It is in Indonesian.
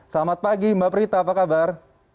selamat pagi mbak prita apa kabar